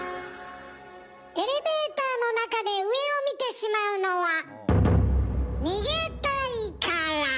エレベーターの中で上を見てしまうのは逃げたいから。